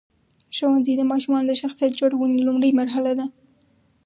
ښوونځی د ماشومانو د شخصیت جوړونې لومړۍ مرحله ده.